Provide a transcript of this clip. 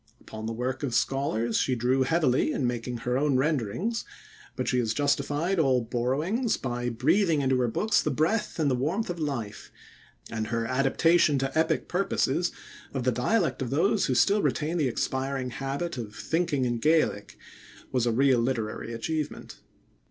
Upon the work of scholars she drew heavily in making her own renderings, but she has justified all borrowings by breathing into her books the breath and the warmth of life, and her adaptation to epic purposes of the dialect of those who still retain the expiring habit of thinking in Gaelic was a real literary achievement.